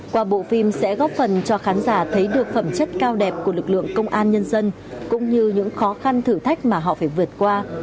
qua bộ phim sẽ góp phần cho khán giả thấy được phẩm chất cao đẹp của lực lượng công an nhân dân cũng như những khó khăn thử thách mà họ phải vượt qua